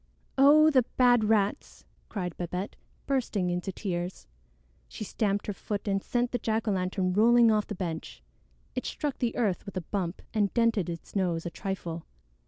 "Oh, the bad rats!" cried Babette, bursting into tears. She stamped her foot and sent the jack o' lantern rolling off the bench. It struck the earth with a bump and dented its nose a trifle.